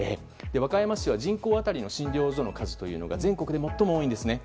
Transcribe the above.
和歌山市は、人口当たりの診療所の数が全国で最も多いんですね。